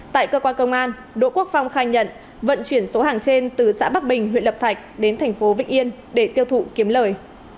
tại cơ quan công an đỗ quốc phong khai nhận vận chuyển số hàng trên từ xã bắc bình huyện lập thạch đến thành phố vĩnh yên để tiêu thụ kiếm lời